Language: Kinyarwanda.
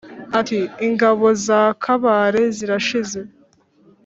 Ati: Ingabo za Kabare zirashize.